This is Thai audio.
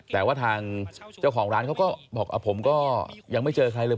แต่ว่าทางเจ้าของร้านเขาก็บอกผมก็ยังไม่เจอใครเลย